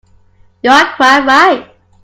You are quite right.